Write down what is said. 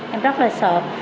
em rất là sợ